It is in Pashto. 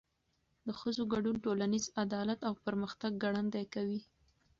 د ښځو ګډون ټولنیز عدالت او پرمختګ ګړندی کوي.